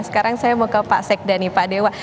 sekarang saya mau ke pak sekda nih pak dewa